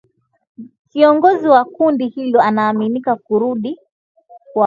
Kiongozi wa kundi hilo anaaminika kurudi kwao